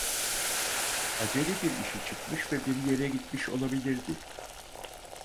Acele bir işi çıkmış ve bir yere gitmiş olabilirdi.